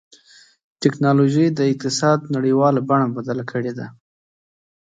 ټکنالوجي د اقتصاد نړیواله بڼه بدله کړې ده.